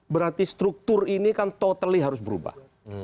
berarti struktur ini kan totally harus berubah